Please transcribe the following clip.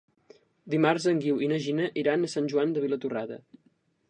Dimarts en Guiu i na Gina iran a Sant Joan de Vilatorrada.